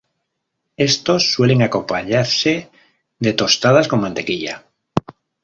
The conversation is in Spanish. Estos suelen acompañarse de tostadas con mantequilla.